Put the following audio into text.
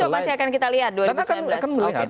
dan itu apa masih akan kita lihat dua ribu sembilan belas